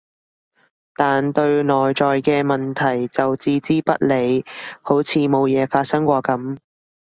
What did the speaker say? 但對內在嘅問題就置之不理，好似冇嘢發生過噉